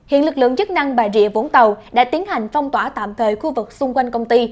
hiện lực lượng chức năng bà rịa vũng tàu đã tiến hành phong tỏa tạm thời khu vực xung quanh công ty